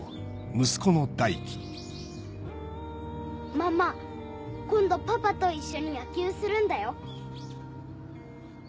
ママ今度パパと一緒に野球するんだよ。